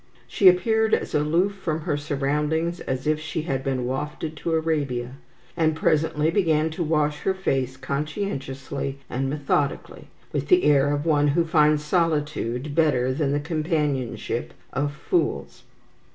She appeared as aloof from her surroundings as if she had been wafted to Arabia; and presently began to wash her face conscientiously and methodically, with the air of one who finds solitude better than the companionship of fools.